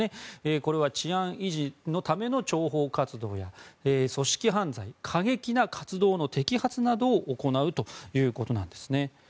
これは治安維持のための諜報活動組織犯罪や過激な活動の摘発などを行うということなんですね。